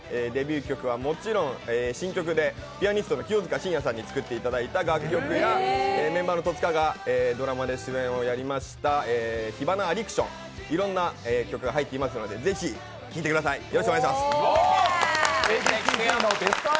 デビュー曲はもちろん新曲で、ピアニストの清塚信也さんに作っていただいた歌曲や、メンバーの戸塚がドラマで主演をやりました『火花アディクション』、いろんな曲が入っていますので、ぜひ聴いてください。